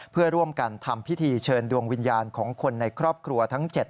เพื่อร่วมกันทำพิธีเชิญดวงวิญญาณของคนในครอบครัวทั้ง๗